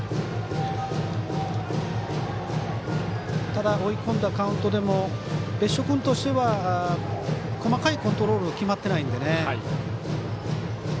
ただ、追い込んだカウントでも別所君としては細かいコントロールは決まってないので。